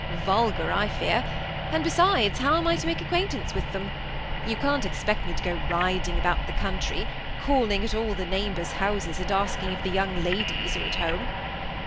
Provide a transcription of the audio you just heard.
" Vulgar, I fear ; and besides, how am I to make ac quaintance with them ? You can't expect me to go riding about the country, calling at all the neighbors' houses, and asking if the young ladies are at home.